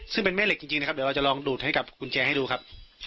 ซึ่งเป็นแม่เหล็กจริงนะครับเดี๋ยวเราจะลองดูดให้กับกุญแจให้ดูครับ